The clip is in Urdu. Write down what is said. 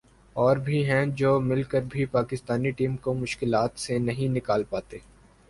اور بھی ہیں جو مل کر بھی پاکستانی ٹیم کو مشکلات سے نہیں نکال پاتے ۔